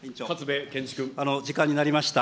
時間になりました。